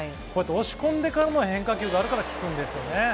押し込んでからの変化球があるから、きくんですよね。